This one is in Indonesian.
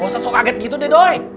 bawasah sok aget gitu deh doy